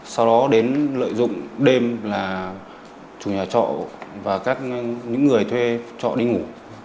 sau đó đến lợi dụng đêm là chủ nhà trọ và các những người thuê trọ đi ngủ